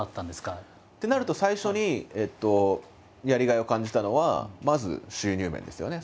ってなると最初にやりがいを感じたのはまず収入面ですよね。